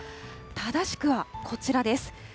正しくはこちらです。